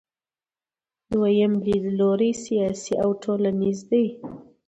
دویم لیدلوری سیاسي او ټولنیز دی.